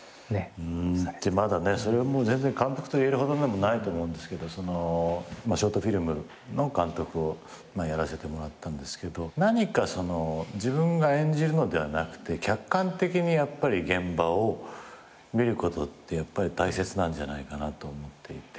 まだねそれは全然監督と言えるほどでもないと思うんですけどショートフィルムの監督をやらせてもらったんですけど何か自分が演じるのではなくて客観的に現場を見ることって大切なんじゃないかなと思っていて。